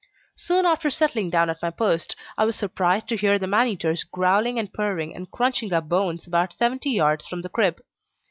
Soon after settling down at my post, I was surprised to hear the man eaters growling and purring and crunching up bones about seventy yards from the crib.